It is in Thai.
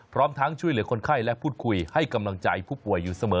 พร้อมทั้งช่วยเหลือคนไข้และพูดคุยให้กำลังใจผู้ป่วยอยู่เสมอ